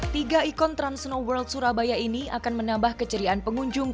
tiga ikon trans snow world surabaya ini akan menambah keceriaan pengunjung